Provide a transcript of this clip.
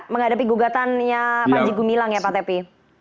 menghadapi gugatannya panji gumilang ya pak tepi